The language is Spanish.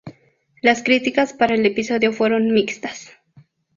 Las críticas para el episodio fueron mixtas.